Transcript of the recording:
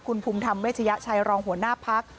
คุณภูมิธรรมเวชยชัยรองหัวหน้าพัก